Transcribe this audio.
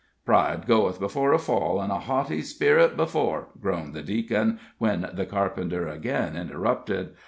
"Pride goeth before a fall, an' a haughty sperit before," groaned the Deacon, when the carpenter again interrupted.